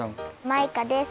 マイカです